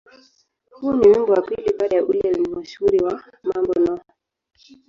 Huu ni wimbo wa pili baada ya ule wimbo mashuhuri wa "Mambo No.